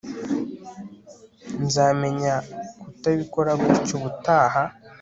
Nzamenya kutabikora gutya ubutaha